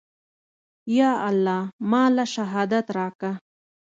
يا الله ما له شهادت راکه.